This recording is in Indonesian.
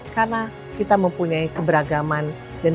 karena kita memiliki banyak produk yang bisa dihasilkan oleh bangsa indonesia ini